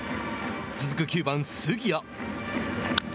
続く９番杉谷。